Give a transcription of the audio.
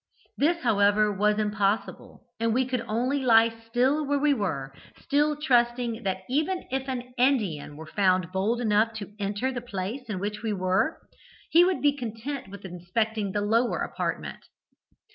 This, however, was impossible, and we could only lie still where we were, still trusting that even if an Indian were found bold enough to enter the place in which we were, he would be content with inspecting the lower apartment.